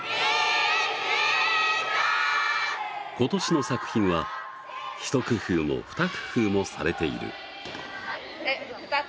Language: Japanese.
今年の作品は、ひと工夫もふた工夫もされている。